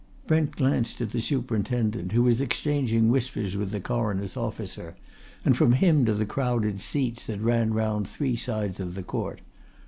Brent glanced at the superintendent, who was exchanging whispers with the Coroner's officer, and from him to the crowded seats that ran round three sides of the court.